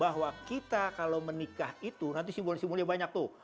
bahwa kita kalau menikah itu nanti simbol simbolnya banyak tuh